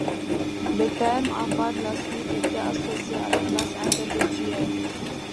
Le terme a par la suite été associé à la classe intellectuelle.